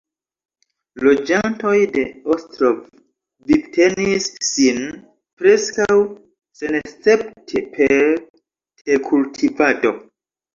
Loĝantoj de Ostrov vivtenis sin preskaŭ senescepte per terkultivado.